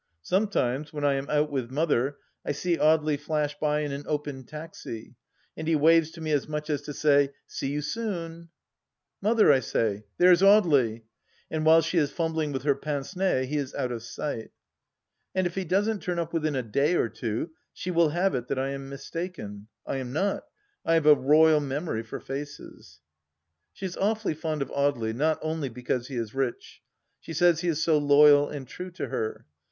Sometimes, when I am out with Mother, I see Audely flash by in an open taxi, and he waves to me as much as to say, " See you soon !"" Mother," I say, " there's Audely !" and while she is fumbling with her pince nez he is out of sight. And if he doesn't turn up within a day or two she will have it that I am mistaken — I am not ; I have a royal memory for faces. She is awfully fond of Audely, not only because he is rich. She says he is so loyal and true to her.